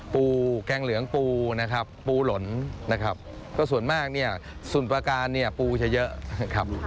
ปูแกงเหลืองปูนะครับปูหล่นนะครับก็ส่วนมากส่วนประการปูจะเยอะครับ